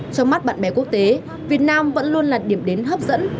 trong mắt bạn bè quốc tế việt nam vẫn luôn là điểm đến hấp dẫn